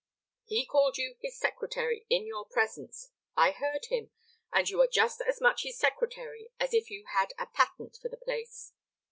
He called you his secretary in your presence; I heard him, and you are just as much his secretary as if you had a patent for the place.